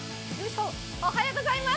おはようございます。